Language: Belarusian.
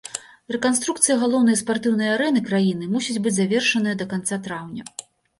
Рэканструкцыя галоўнай спартыўнай арэны краіны мусіць быць завершаная да канца траўня.